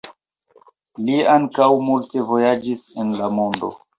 Li ankaŭ multe vojaĝis en la mondo.